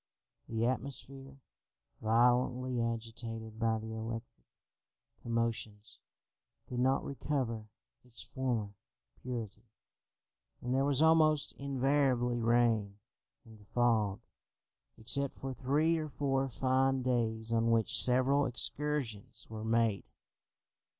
The atmosphere, violently agitated by the electric commotions, could not recover its former purity, and there was almost invariably rain and fog, except for three or four fine days on which several excursions were made.